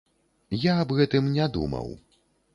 Я аб гэтым не думаў!